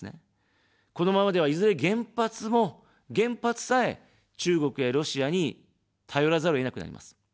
このままでは、いずれ原発も、原発さえ、中国やロシアに頼らざるをえなくなります。